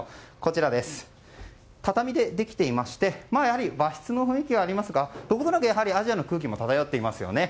畳でできていまして和室の雰囲気はありますがどことなく、やはりアジアの空気も漂っていますよね。